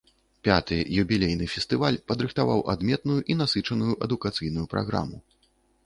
Пяты, юбілейны, фестываль падрыхтаваў адметную і насычаную адукацыйную праграму.